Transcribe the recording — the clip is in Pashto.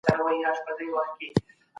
حکومت د شتمنو خلګو څخه مالیه اخلي.